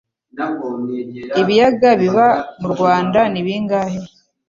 ibiyaga biba murwanda ni bingahe?